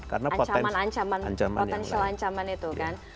ancaman ancaman potensial ancaman itu kan